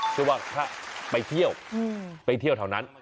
ชื่อว่าพระไปเที่ยวไปเที่ยวแถวนั้น